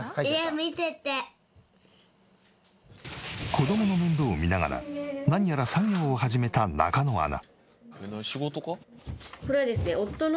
子供の面倒を見ながら何やら作業を始めた中野アナ。